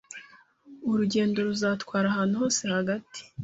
Urugendo ruzatwara ahantu hose hagati